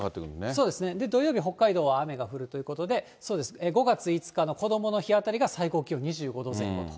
そうですね、土曜日、北海道は雨が降るということで、５月５日のこどもの日あたりが最高気温２５度前後と。